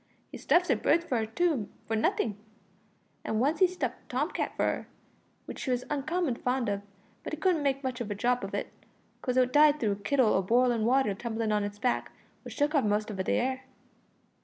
He stuffs her birds for her too, for nothink, an' once he stuffed a tom cat for 'er, w'ich she was uncommon fond of, but he couldn't make much of a job of it, 'cause it died through a kittle o' boilin' water tumblin' on its back, which took off most of the 'air."